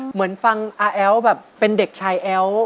เหมือนฟังอาแอ๋วแบบเป็นเด็กชายแอ้ว